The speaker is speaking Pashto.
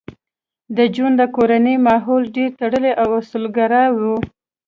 د جون د کورنۍ ماحول ډېر تړلی او اصولګرا و